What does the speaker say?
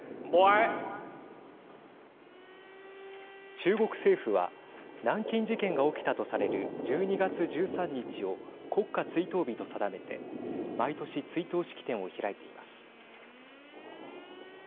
中国政府は南京事件が起きたとされる１２月１３日を国家追悼日と定めて毎年、追悼式典を開いています。